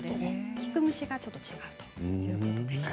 効く虫がちょっと違うということでした。